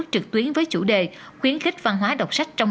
trước đây an book có hai kênh bán hàng